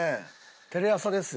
テレ朝ですよ。